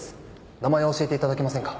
名前を教えていただけませんか？